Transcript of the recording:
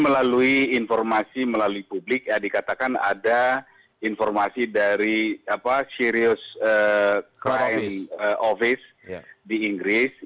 dari informasi melalui publik ya dikatakan ada informasi dari apa serius office di inggris